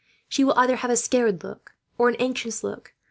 She will either have a scared look, or an anxious look.